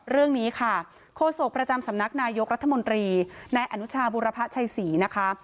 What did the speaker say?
เรื่องนี้ค่ะโฆษกประจำสำนักนายกรัฐมนตรีนายอนุชาบุรพะชัยศรีนะคะ